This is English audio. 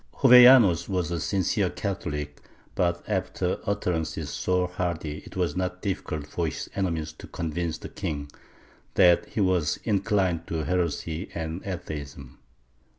^ Jovellanos was a sincere Catholic, but after utterances so hardy it was not difficult for his enemies to convince the king that he was inclined to heresy and atheism.